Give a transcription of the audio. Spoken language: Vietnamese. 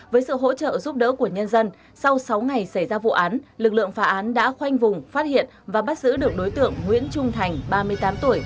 với sự hỗ trợ giúp đỡ của nhân dân sau sáu ngày xảy ra vụ án lực lượng phá án đã khoanh vùng phát hiện và bắt giữ được đối tượng nguyễn trung thành ba mươi tám tuổi